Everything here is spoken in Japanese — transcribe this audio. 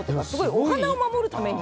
お花を守るために。